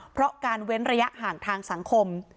เพราะการเว้นระยะห่างทางสังคม